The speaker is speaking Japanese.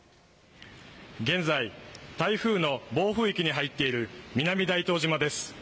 現在、台風の暴風域に入っている南大東島です。